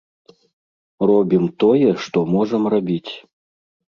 Робім тое, што можам рабіць.